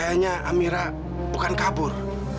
kayaknya amira bukan kabur